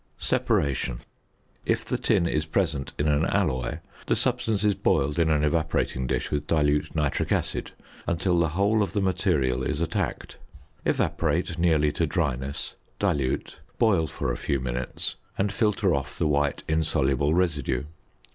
~Separation.~ If the tin is present in an alloy, the substance is boiled in an evaporating dish with dilute nitric acid until the whole of the material is attacked. Evaporate nearly to dryness, dilute, boil for a few minutes, and filter off the white insoluble residue.